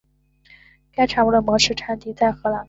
该物种的模式产地在荷兰。